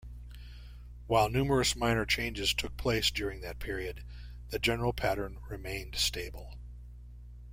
While numerous minor changes took place during that period, the general pattern remained stable.